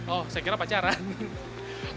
oh saya kira pacaran